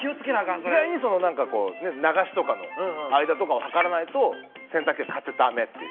意外になんかこう流しとかの間とかを測らないと洗濯機は買っちゃダメっていう。